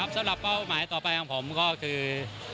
สำหรับเป้าหมายต่อไปของผมก็คือ